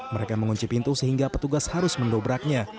mereka mengunci pintu sehingga petugas harus mendobraknya